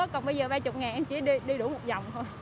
còn bây giờ ba mươi em chỉ đi đủ một dòng thôi